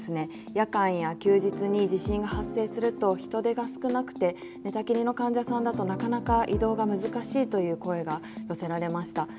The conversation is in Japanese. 夜間や休日に地震が発生すると人手が少なくて寝たきりの患者さんだとなかなか移動が難しいという声が寄せられました。